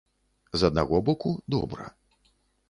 З аднаго боку, добра.